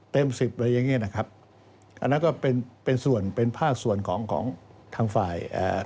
เต็ม๑๐อะไรอย่างเงี้ยนะครับอันนั้นก็เป็นภาคส่วนของทางฝ่าย